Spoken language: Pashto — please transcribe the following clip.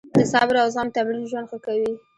د صبر او زغم تمرین ژوند ښه کوي.